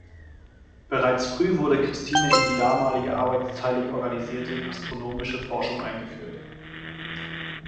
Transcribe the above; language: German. Bereits früh wurde Christine in die damals arbeitsteilig organisierte astronomische Forschung eingeführt.